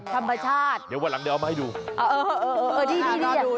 เดี๋ยววันหลังเดี๋ยวเอามาให้ดู